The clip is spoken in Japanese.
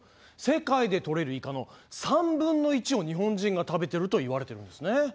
世界でとれるイカの３分の１を日本人が食べてるといわれてるんですね。